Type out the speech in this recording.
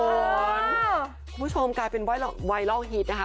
คุณผู้ชมกลายเป็นไวรัลฮิตนะคะ